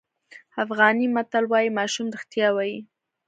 افغاني متل وایي ماشوم رښتیا وایي.